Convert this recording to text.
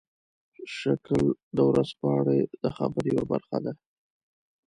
شکل د ورځپاڼې د خبر یوه برخه ده.